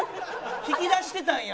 引き出してたんや。